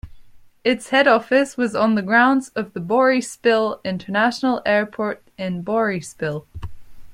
Its head office was on the grounds of the Boryspil International Airport in Boryspil.